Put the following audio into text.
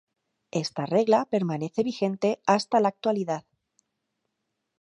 Esta regla permanece vigente hasta la actualidad.